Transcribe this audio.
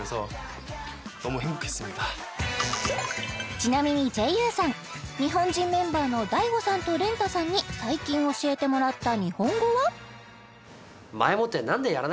ちなみにジェイユーさん日本人メンバーのダイゴさんとレンタさんに最近教えてもらった日本語は？